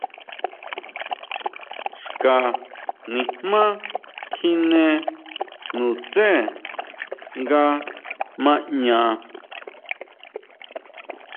Xka nijmá kjine nutsé nga ma ʼña.